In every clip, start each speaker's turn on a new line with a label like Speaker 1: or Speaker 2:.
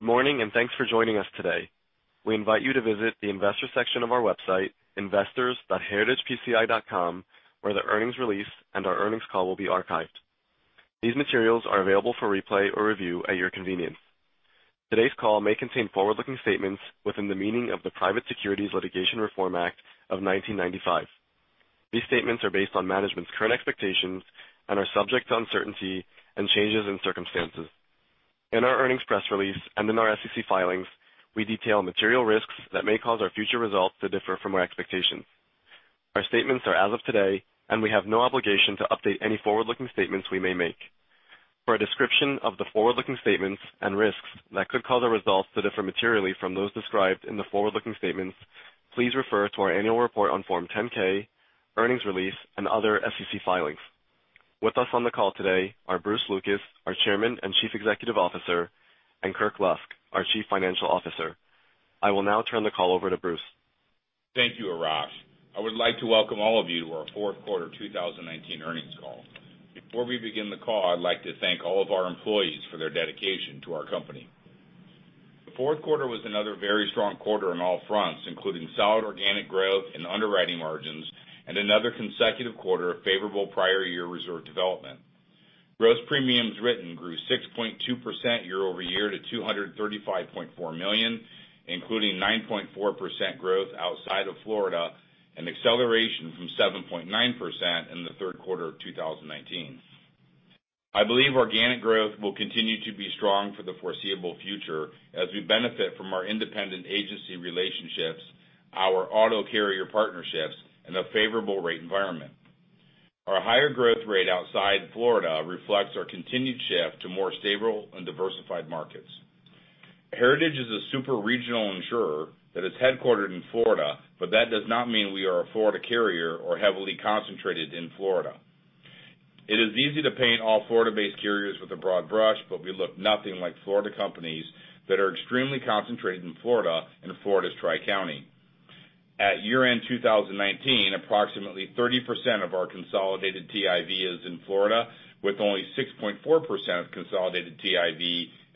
Speaker 1: Good morning, and thanks for joining us today. We invite you to visit the investor section of our website, investors.heritagepci.com, where the earnings release and our earnings call will be archived. These materials are available for replay or review at your convenience. Today's call may contain forward-looking statements within the meaning of the Private Securities Litigation Reform Act of 1995. These statements are based on management's current expectations and are subject to uncertainty and changes in circumstances. In our earnings press release and in our SEC filings, we detail material risks that may cause our future results to differ from our expectations. Our statements are as of today, and we have no obligation to update any forward-looking statements we may make. For a description of the forward-looking statements and risks that could cause our results to differ materially from those described in the forward-looking statements, please refer to our annual report on Form 10-K, earnings release, and other SEC filings. With us on the call today are Bruce Lucas, our Chairman and Chief Executive Officer, and Kirk Lusk, our Chief Financial Officer. I will now turn the call over to Bruce.
Speaker 2: Thank you, Arash. I would like to welcome all of you to our fourth quarter 2019 earnings call. Before we begin the call, I'd like to thank all of our employees for their dedication to our company. The fourth quarter was another very strong quarter on all fronts, including solid organic growth and underwriting margins and another consecutive quarter of favorable prior year reserve development. Gross premiums written grew 6.2% year-over-year to $235.4 million, including 9.4% growth outside of Florida, an acceleration from 7.9% in the third quarter of 2019. I believe organic growth will continue to be strong for the foreseeable future as we benefit from our independent agency relationships, our auto carrier partnerships, and a favorable rate environment. Our higher growth rate outside Florida reflects our continued shift to more stable and diversified markets. Heritage is a super regional insurer that is headquartered in Florida, but that does not mean we are a Florida carrier or heavily concentrated in Florida. It is easy to paint all Florida-based carriers with a broad brush, but we look nothing like Florida companies that are extremely concentrated in Florida and Florida's Tri-County. At year-end 2019, approximately 30% of our consolidated TIV is in Florida, with only 6.4% of consolidated TIV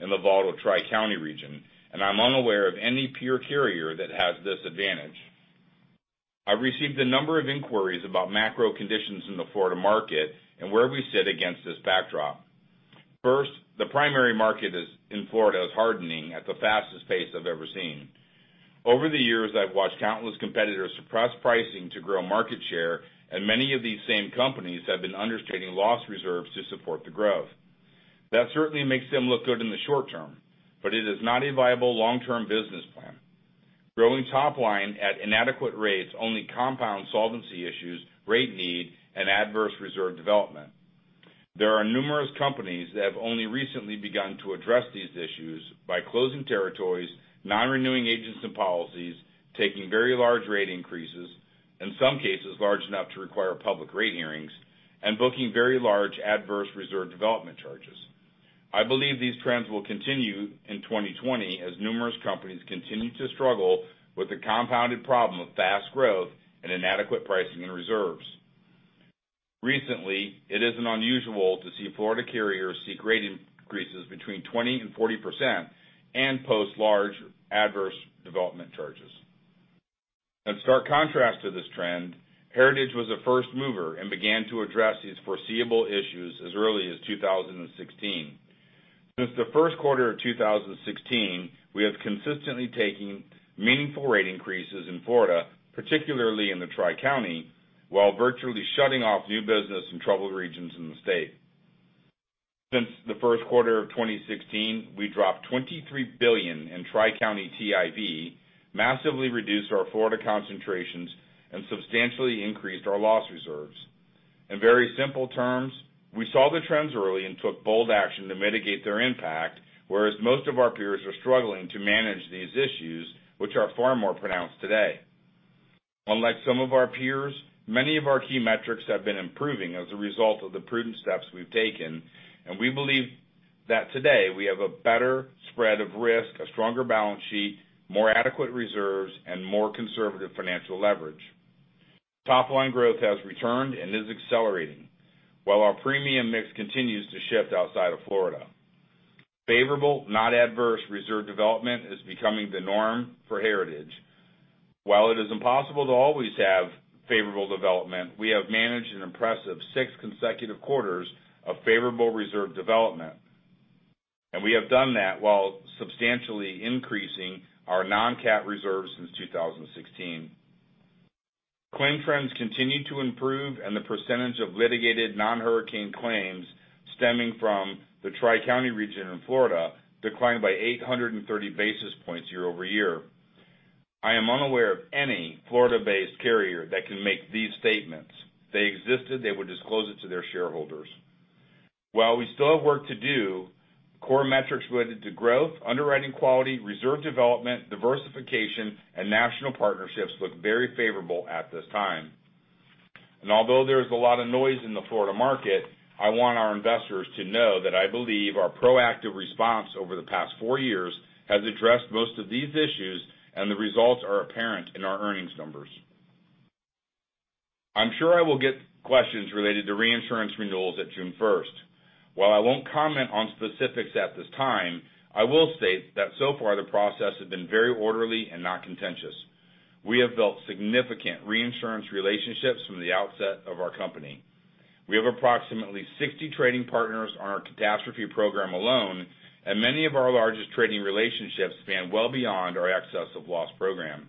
Speaker 2: in the volatile Tri-County region, and I'm unaware of any peer carrier that has this advantage. I've received a number of inquiries about macro conditions in the Florida market and where we sit against this backdrop. First, the primary market in Florida is hardening at the fastest pace I've ever seen. Over the years, I've watched countless competitors suppress pricing to grow market share. Many of these same companies have been understating loss reserves to support the growth. That certainly makes them look good in the short term. It is not a viable long-term business plan. Growing top line at inadequate rates only compounds solvency issues, rate need, and adverse reserve development. Numerous companies have only recently begun to address these issues by closing territories, non-renewing agents and policies, taking very large rate increases, in some cases large enough to require public rate hearings, and booking very large adverse reserve development charges. I believe these trends will continue in 2020 as numerous companies continue to struggle with the compounded problem of fast growth and inadequate pricing and reserves. Recently, it isn't unusual to see Florida carriers seek rate increases between 20% and 40% and post large adverse development charges. In stark contrast to this trend, Heritage was a first mover and began to address these foreseeable issues as early as 2016. Since the first quarter of 2016, we have consistently taken meaningful rate increases in Florida, particularly in the Tri-County, while virtually shutting off new business in troubled regions in the state. Since the first quarter of 2016, we dropped $23 billion in Tri-County TIV, massively reduced our Florida concentrations, and substantially increased our loss reserves. In very simple terms, we saw the trends early and took bold action to mitigate their impact, whereas most of our peers are struggling to manage these issues, which are far more pronounced today. Unlike some of our peers, many of our key metrics have been improving as a result of the prudent steps we've taken. We believe that today we have a better spread of risk, a stronger balance sheet, more adequate reserves, and more conservative financial leverage. Top-line growth has returned and is accelerating, while our premium mix continues to shift outside of Florida. Favorable, not adverse, reserve development is becoming the norm for Heritage. While it is impossible to always have favorable development, we have managed an impressive six consecutive quarters of favorable reserve development. We have done that while substantially increasing our non-CAT reserves since 2016. Claim trends continue to improve, and the percentage of litigated non-hurricane claims stemming from the Tri-County region in Florida declined by 830 basis points year-over-year. I am unaware of any Florida-based carrier that can make these statements. If they existed, they would disclose it to their shareholders. While we still have work to do, core metrics related to growth, underwriting quality, reserve development, diversification, and national partnerships look very favorable at this time. Although there is a lot of noise in the Florida market, I want our investors to know that I believe our proactive response over the past four years has addressed most of these issues. The results are apparent in our earnings numbers. I'm sure I will get questions related to reinsurance renewals at June 1st. While I won't comment on specifics at this time, I will state that so far the process has been very orderly and not contentious. We have built significant reinsurance relationships from the outset of our company. We have approximately 60 trading partners on our catastrophe program alone, and many of our largest trading relationships span well beyond our excess of loss program.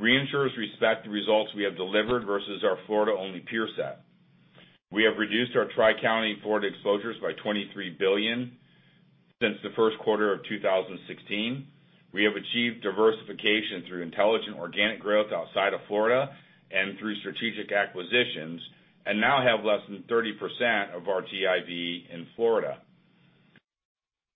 Speaker 2: Reinsurers respect the results we have delivered versus our Florida-only peer set. We have reduced our Tri-County Florida exposures by $23 billion since the first quarter of 2016. We have achieved diversification through intelligent organic growth outside of Florida and through strategic acquisitions and now have less than 30% of our TIV in Florida.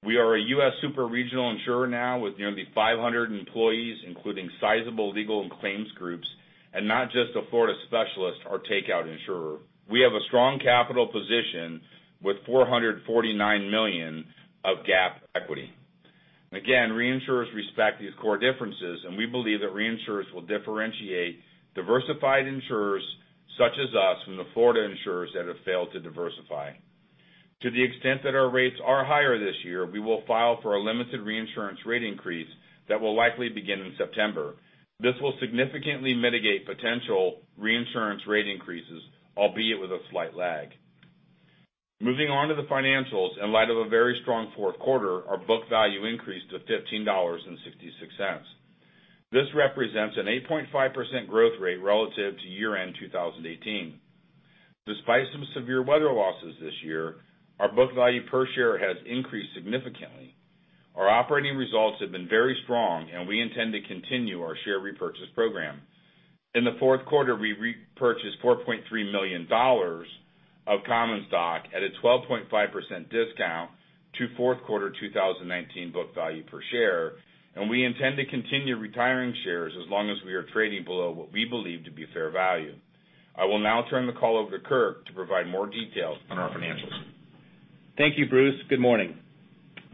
Speaker 2: We are a U.S. super-regional insurer now with nearly 500 employees, including sizable legal and claims groups, and not just a Florida specialist or takeout insurer. We have a strong capital position with $449 million of GAAP equity. Again, reinsurers respect these core differences, and we believe that reinsurers will differentiate diversified insurers such as us from the Florida insurers that have failed to diversify. To the extent that our rates are higher this year, we will file for a limited reinsurance rate increase that will likely begin in September. This will significantly mitigate potential reinsurance rate increases, albeit with a slight lag. Moving on to the financials. In light of a very strong fourth quarter, our book value increased to $15.66. This represents an 8.5% growth rate relative to year-end 2018. Despite some severe weather losses this year, our book value per share has increased significantly. Our operating results have been very strong, and we intend to continue our share repurchase program. In the fourth quarter, we repurchased $4.3 million of common stock at a 12.5% discount to fourth quarter 2019 book value per share, and we intend to continue retiring shares as long as we are trading below what we believe to be fair value. I will now turn the call over to Kirk to provide more details on our financials.
Speaker 3: Thank you, Bruce. Good morning.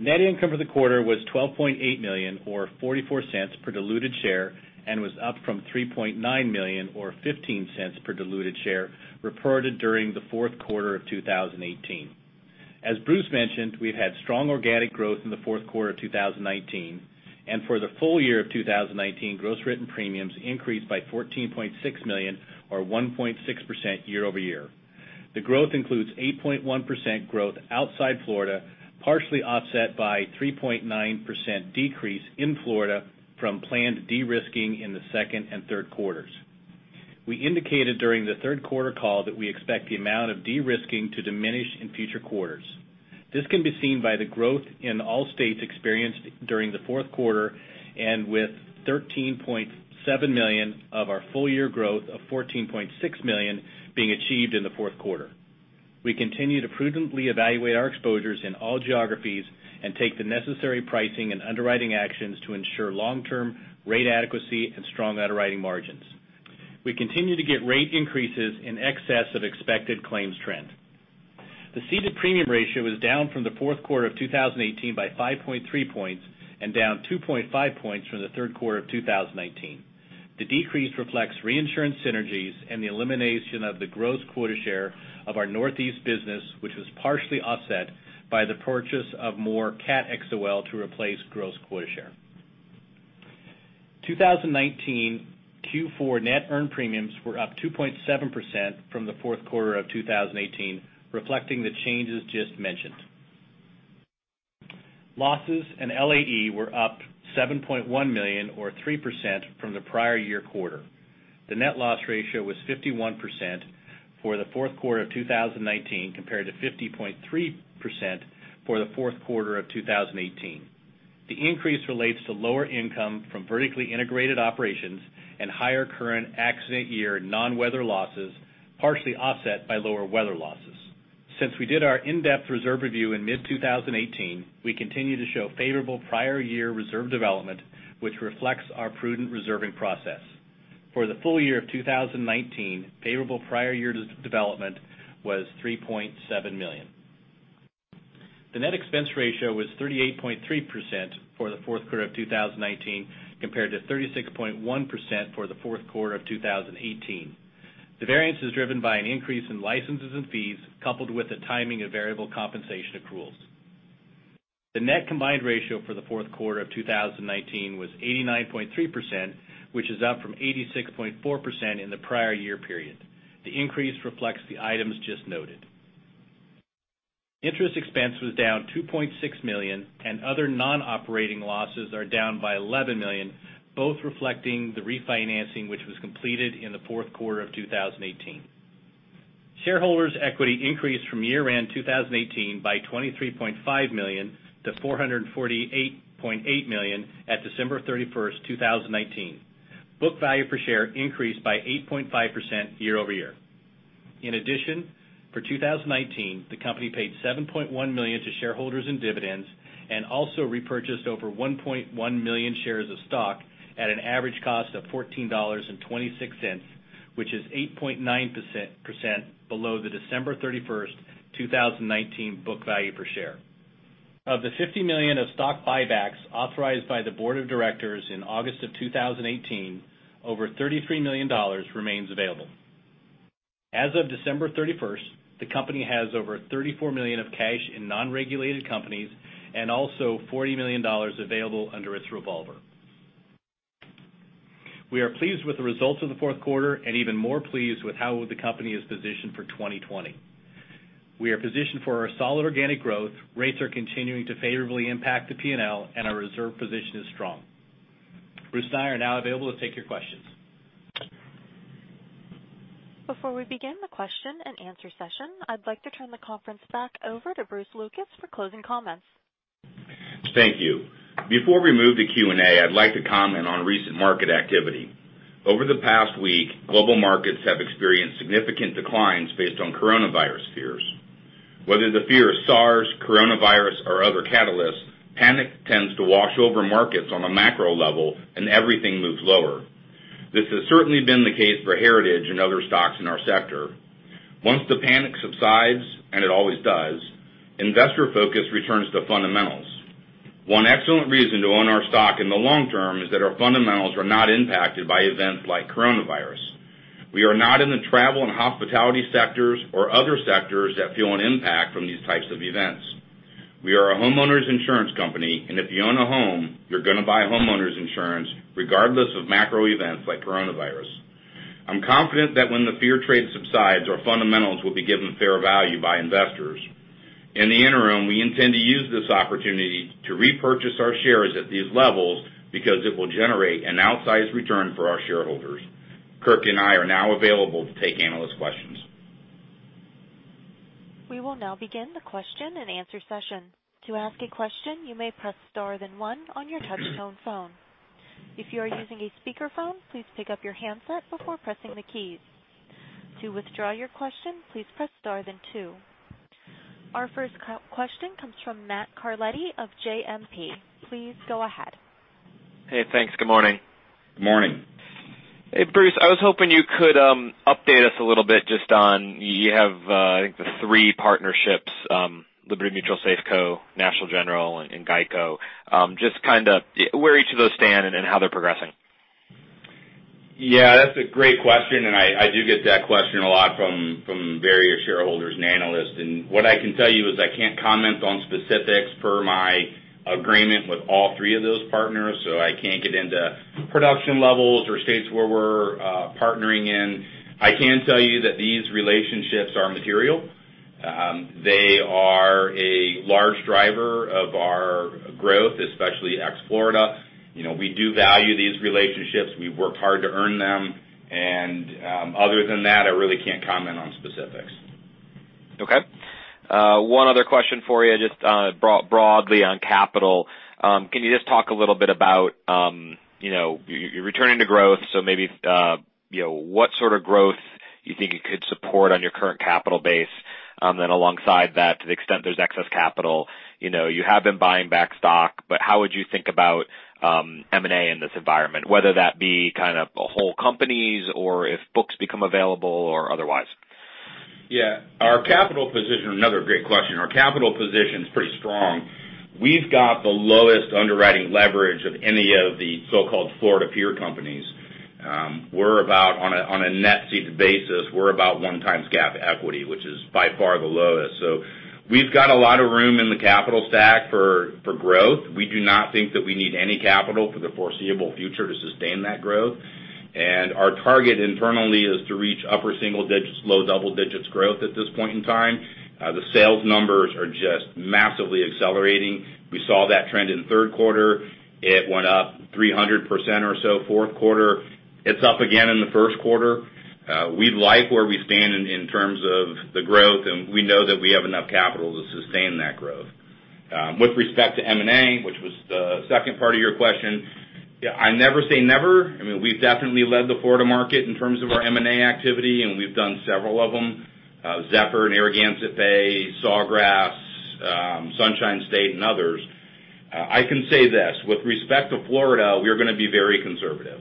Speaker 3: Net income for the quarter was $12.8 million, or $0.44 per diluted share, and was up from $3.9 million or $0.15 per diluted share reported during the fourth quarter of 2018. As Bruce mentioned, we've had strong organic growth in the fourth quarter of 2019, and for the full year of 2019, gross written premiums increased by $14.6 million or 1.6% year-over-year. The growth includes 8.1% growth outside Florida, partially offset by 3.9% decrease in Florida from planned de-risking in the second and third quarters. We indicated during the third quarter call that we expect the amount of de-risking to diminish in future quarters. This can be seen by the growth in all states experienced during the fourth quarter and with $13.7 million of our full-year growth of $14.6 million being achieved in the fourth quarter. We continue to prudently evaluate our exposures in all geographies and take the necessary pricing and underwriting actions to ensure long-term rate adequacy and strong underwriting margins. We continue to get rate increases in excess of expected claims trend. The ceded premium ratio was down from the fourth quarter of 2018 by 5.3 points and down 2.5 points from the third quarter of 2019. The decrease reflects reinsurance synergies and the elimination of the gross quota share of our Northeast business, which was partially offset by the purchase of more Catastrophe XOL to replace gross quota share. 2019 Q4 net earned premiums were up 2.7% from the fourth quarter of 2018, reflecting the changes just mentioned. Losses and LAE were up $7.1 million, or 3%, from the prior year quarter. The net loss ratio was 51% for the fourth quarter of 2019, compared to 50.3% for the fourth quarter of 2018. The increase relates to lower income from vertically integrated operations and higher current accident year non-weather losses, partially offset by lower weather losses. Since we did our in-depth reserve review in mid-2018, we continue to show favorable prior year reserve development, which reflects our prudent reserving process. For the full year of 2019, favorable prior year development was $3.7 million. The net expense ratio was 38.3% for the fourth quarter of 2019, compared to 36.1% for the fourth quarter of 2018. The variance is driven by an increase in licenses and fees, coupled with the timing of variable compensation accruals. The net combined ratio for the fourth quarter of 2019 was 89.3%, which is up from 86.4% in the prior year period. The increase reflects the items just noted. Interest expense was down $2.6 million and other non-operating losses are down by $11 million, both reflecting the refinancing which was completed in the fourth quarter of 2018. Shareholders' equity increased from year-end 2018 by $23.5 million to $448.8 million at December 31st, 2019. Book value per share increased by 8.5% year-over-year. In addition, for 2019, the company paid $7.1 million to shareholders in dividends and also repurchased over 1.1 million shares of stock at an average cost of $14.26, which is 8.9% below the December 31st, 2019, book value per share. Of the $50 million of stock buybacks authorized by the board of directors in August of 2018, over $33 million remains available. As of December 31st, the company has over $34 million of cash in non-regulated companies and also $40 million available under its revolver. We are pleased with the results of the fourth quarter and even more pleased with how the company is positioned for 2020. We are positioned for a solid organic growth, rates are continuing to favorably impact the P&L, and our reserve position is strong. Bruce and I are now available to take your questions.
Speaker 4: Before we begin the question and answer session, I'd like to turn the conference back over to Bruce Lucas for closing comments.
Speaker 2: Thank you. Before we move to Q&A, I'd like to comment on recent market activity. Over the past week, global markets have experienced significant declines based on coronavirus fears. Whether the fear is SARS, coronavirus, or other catalysts, panic tends to wash over markets on a macro level and everything moves lower. This has certainly been the case for Heritage and other stocks in our sector. Once the panic subsides, and it always does, investor focus returns to fundamentals. One excellent reason to own our stock in the long term is that our fundamentals are not impacted by events like coronavirus. We are not in the travel and hospitality sectors or other sectors that feel an impact from these types of events. We are a homeowners insurance company, and if you own a home, you're going to buy homeowners insurance regardless of macro events like coronavirus. I'm confident that when the fear trade subsides, our fundamentals will be given fair value by investors. In the interim, we intend to use this opportunity to repurchase our shares at these levels because it will generate an outsized return for our shareholders. Kirk and I are now available to take analyst questions.
Speaker 4: We will now begin the question and answer session. To ask a question, you may press star then one on your touchtone phone. If you are using a speakerphone, please pick up your handset before pressing the keys. To withdraw your question, please press star then two. Our first question comes from Matt Carletti of JMP. Please go ahead.
Speaker 5: Hey, thanks. Good morning.
Speaker 2: Good morning.
Speaker 5: Hey, Bruce. I was hoping you could update us a little bit just on, you have, I think, the three partnerships, Liberty Mutual, Safeco, National General, and GEICO. Just kind of where each of those stand and how they're progressing.
Speaker 2: Yeah, that's a great question. I do get that question a lot from various shareholders and analysts. What I can tell you is I can't comment on specifics per my agreement with all three of those partners, so I can't get into production levels or states where we're partnering in. I can tell you that these relationships are material. They are a large driver of our growth, especially ex-Florida. We do value these relationships. We've worked hard to earn them. Other than that, I really can't comment on specifics.
Speaker 5: Okay. One other question for you, just broadly on capital. Can you just talk a little bit about, you're returning to growth? Maybe what sort of growth you think you could support on your current capital base? Alongside that, to the extent there's excess capital, you have been buying back stock. How would you think about M&A in this environment, whether that be kind of whole companies or if books become available or otherwise?
Speaker 2: Yeah. Another great question. Our capital position's pretty strong. We've got the lowest underwriting leverage of any of the so-called Florida peer companies. On a net ceded basis, we're about 1 times GAAP equity, which is by far the lowest. We've got a lot of room in the capital stack for growth. We do not think that we need any capital for the foreseeable future to sustain that growth. Our target internally is to reach upper single digits, low double digits growth at this point in time. The sales numbers are just massively accelerating. We saw that trend in the third quarter. It went up 300% or so fourth quarter. It's up again in the first quarter. We like where we stand in terms of the growth. We know that we have enough capital to sustain that growth. With respect to M&A, which was the second part of your question, I never say never. I mean, we've definitely led the Florida market in terms of our M&A activity. We've done several of them. Zephyr and Narragansett Bay, Sawgrass, Sunshine State, and others. I can say this, with respect to Florida, we are going to be very conservative.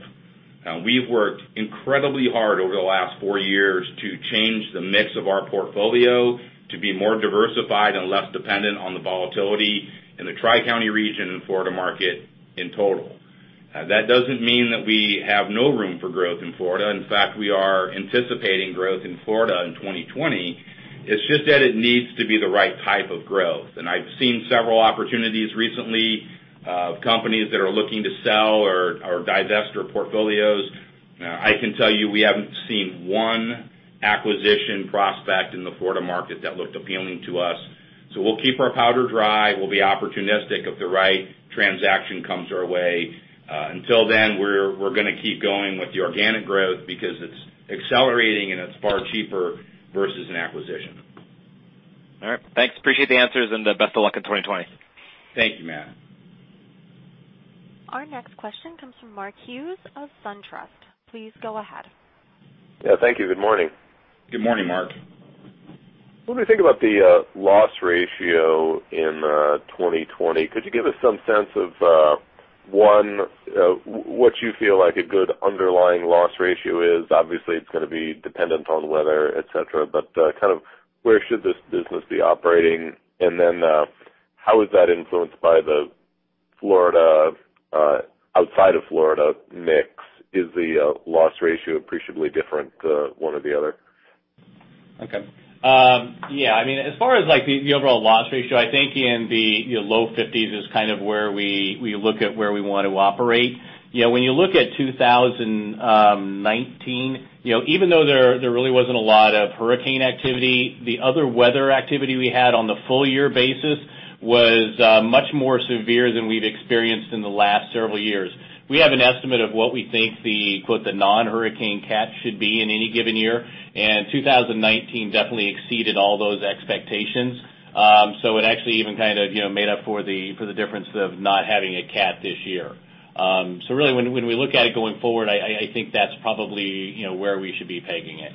Speaker 2: We've worked incredibly hard over the last four years to change the mix of our portfolio to be more diversified and less dependent on the volatility in the Tri-County region and Florida market in total. That doesn't mean that we have no room for growth in Florida. In fact, we are anticipating growth in Florida in 2020. It's just that it needs to be the right type of growth. I've seen several opportunities recently of companies that are looking to sell or divest their portfolios. I can tell you we haven't seen one acquisition prospect in the Florida market that looked appealing to us. We'll keep our powder dry. We'll be opportunistic if the right transaction comes our way. Until then, we're going to keep going with the organic growth because it's accelerating and it's far cheaper versus an acquisition.
Speaker 5: All right. Thanks. Appreciate the answers and best of luck in 2020.
Speaker 2: Thank you, Matt.
Speaker 4: Our next question comes from Mark Hughes of SunTrust. Please go ahead.
Speaker 6: Yeah. Thank you. Good morning.
Speaker 2: Good morning, Mark.
Speaker 6: When we think about the loss ratio in 2020, could you give us some sense of one, what you feel like a good underlying loss ratio is? Obviously, it's going to be dependent on weather, et cetera, but where should this business be operating? Then, how is that influenced by the outside of Florida mix? Is the loss ratio appreciably different to one or the other?
Speaker 3: Okay. Yeah. As far as the overall loss ratio, I think in the low 50s is kind of where we look at where we want to operate. When you look at 2019, even though there really wasn't a lot of hurricane activity, the other weather activity we had on the full year basis was much more severe than we've experienced in the last several years. We have an estimate of what we think the non-hurricane cat should be in any given year, 2019 definitely exceeded all those expectations. It actually even kind of made up for the difference of not having a cat this year. Really, when we look at it going forward, I think that's probably where we should be pegging it.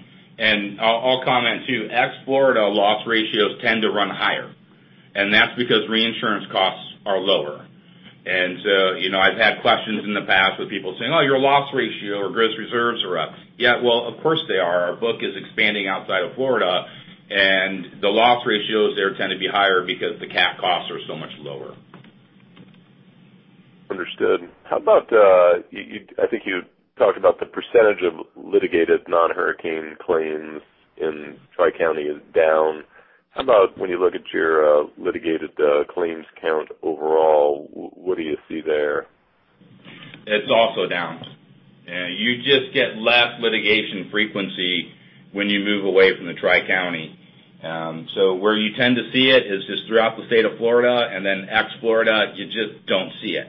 Speaker 3: I'll comment, too. Ex-Florida loss ratios tend to run higher, and that's because reinsurance costs are lower. I've had questions in the past with people saying, "Oh, your loss ratio or gross reserves are up." Yeah, well, of course, they are. Our book is expanding outside of Florida, and the loss ratios there tend to be higher because the cat costs are so much lower.
Speaker 6: Understood. I think you talked about the percentage of litigated non-hurricane claims in Tri-County is down. How about when you look at your litigated claims count overall, what do you see there?
Speaker 2: It's also down. You just get less litigation frequency when you move away from the Tri-County. Where you tend to see it is just throughout the state of Florida, ex-Florida, you just don't see it.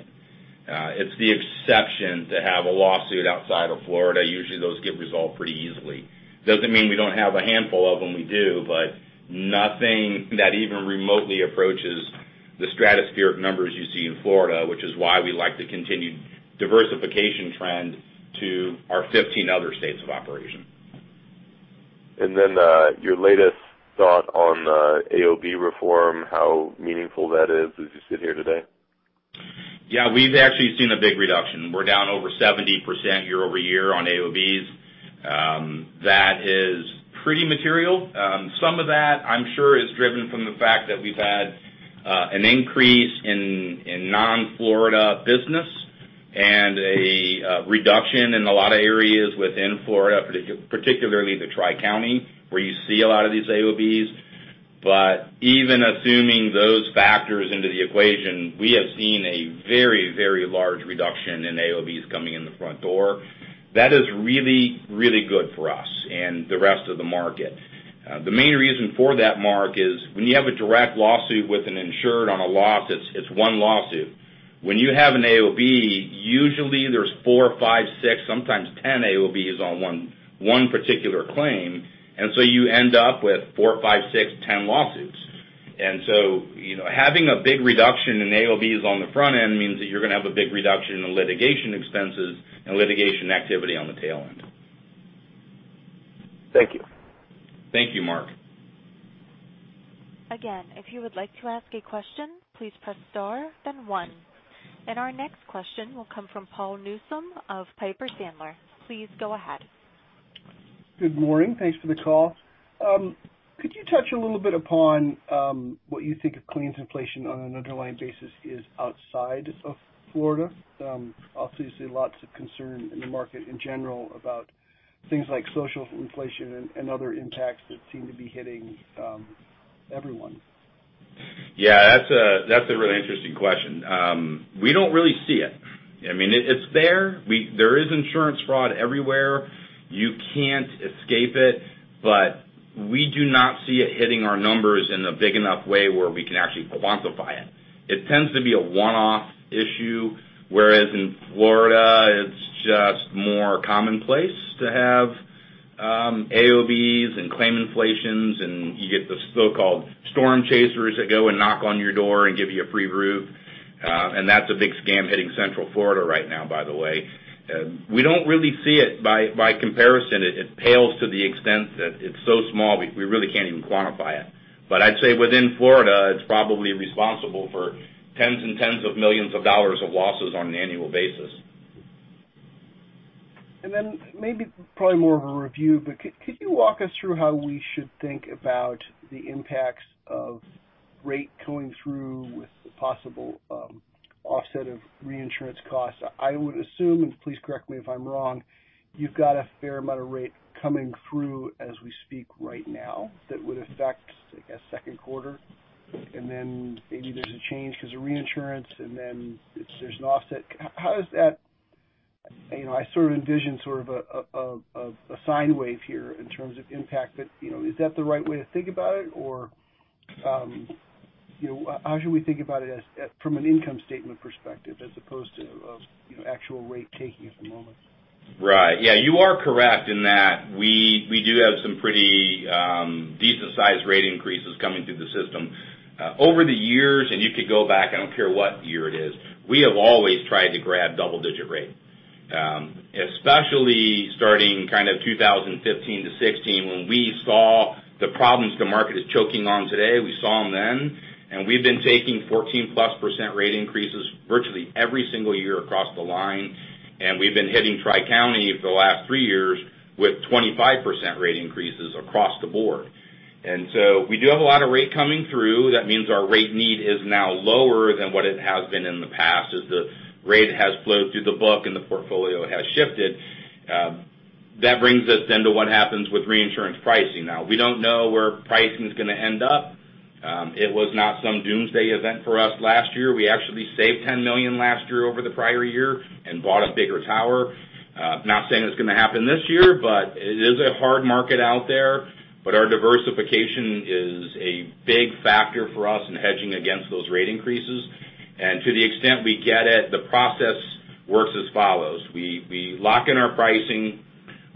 Speaker 2: It's the exception to have a lawsuit outside of Florida. Usually, those get resolved pretty easily. Doesn't mean we don't have a handful of them, we do, nothing that even remotely approaches the stratospheric numbers you see in Florida, which is why we like the continued diversification trend to our 15 other states of operation.
Speaker 6: Your latest thought on AOB reform, how meaningful that is as you sit here today?
Speaker 2: Yeah, we've actually seen a big reduction. We're down over 70% year-over-year on AOBs. That is pretty material. Some of that, I'm sure, is driven from the fact that we've had an increase in non-Florida business and a reduction in a lot of areas within Florida, particularly the Tri-County, where you see a lot of these AOBs. Even assuming those factors into the equation, we have seen a very large reduction in AOBs coming in the front door. That is really good for us and the rest of the market. The main reason for that, Mark, is when you have a direct lawsuit with an insured on a loss, it's one lawsuit. When you have an AOB, usually there's four, five, six, sometimes 10 AOBs on one particular claim. So you end up with four, five, six, 10 lawsuits. Having a big reduction in AOBs on the front end means that you're going to have a big reduction in litigation expenses and litigation activity on the tail end.
Speaker 6: Thank you.
Speaker 2: Thank you, Mark.
Speaker 4: Again, if you would like to ask a question, please press star then one. Our next question will come from Paul Newsome of Piper Sandler. Please go ahead.
Speaker 7: Good morning. Thanks for the call. Could you touch a little bit upon what you think of claims inflation on an underlying basis is outside of Florida? Lots of concern in the market in general about things like social inflation and other impacts that seem to be hitting everyone.
Speaker 2: Yeah, that's a really interesting question. We don't really see it. It's there. There is insurance fraud everywhere. You can't escape it, but we do not see it hitting our numbers in a big enough way where we can actually quantify it. It tends to be a one-off issue, whereas in Florida, it's just more commonplace to have AOBs and claim inflations, and you get the so-called storm chasers that go and knock on your door and give you a free roof. That's a big scam hitting Central Florida right now, by the way. We don't really see it. By comparison, it pales to the extent that it's so small, we really can't even quantify it. I'd say within Florida, it's probably responsible for tens and tens of millions of dollars of losses on an annual basis.
Speaker 7: Maybe, probably more of a review, but could you walk us through how we should think about the impacts of rate going through with the possible offset of reinsurance costs? I would assume, and please correct me if I'm wrong, you've got a fair amount of rate coming through as we speak right now that would affect, I guess, second quarter. Maybe there's a change because of reinsurance, and then there's an offset. I sort of envision sort of a sine wave here in terms of impact. Is that the right way to think about it, or how should we think about it from an income statement perspective as opposed to of actual rate taking at the moment?
Speaker 2: Right. Yeah, you are correct in that we do have some pretty decent-sized rate increases coming through the system. Over the years, and you could go back, I don't care what year it is, we have always tried to grab double-digit rate. Especially starting kind of 2015 to 2016, when we saw The problems the market is choking on today, we saw them then, we've been taking 14%+ rate increases virtually every single year across the line, we've been hitting Tri-County for the last 3 years with 25% rate increases across the board. We do have a lot of rate coming through. That means our rate need is now lower than what it has been in the past, as the rate has flowed through the book and the portfolio has shifted. That brings us to what happens with reinsurance pricing. We don't know where pricing's going to end up. It was not some doomsday event for us last year. We actually saved $10 million last year over the prior year and bought a bigger tower. Not saying it's going to happen this year, but it is a hard market out there. Our diversification is a big factor for us in hedging against those rate increases. To the extent we get it, the process works as follows. We lock in our pricing.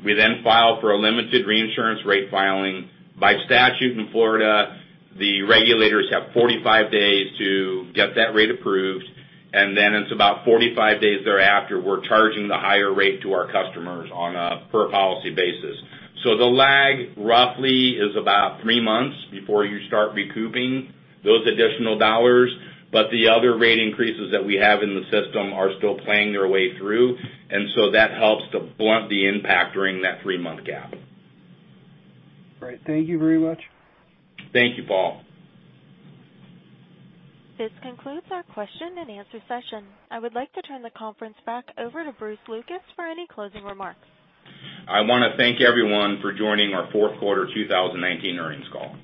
Speaker 2: We file for a limited reinsurance rate filing. By statute in Florida, the regulators have 45 days to get that rate approved, then it's about 45 days thereafter, we're charging the higher rate to our customers on a per policy basis. The lag roughly is about 3 months before you start recouping those additional dollars, the other rate increases that we have in the system are still playing their way through, that helps to blunt the impact during that 3-month gap.
Speaker 7: Great. Thank you very much.
Speaker 2: Thank you, Paul.
Speaker 4: This concludes our question and answer session. I would like to turn the conference back over to Bruce Lucas for any closing remarks.
Speaker 2: I want to thank everyone for joining our fourth quarter 2019 earnings call.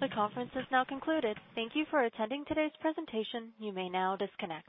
Speaker 4: The conference has now concluded. Thank you for attending today's presentation. You may now disconnect.